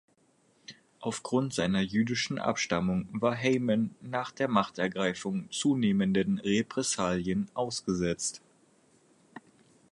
Aufgrund seiner jüdischen Abstammung war Heymann nach der Machtergreifung zunehmenden Repressalien ausgesetzt.